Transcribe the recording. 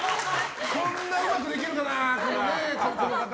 こんなうまくできるかな。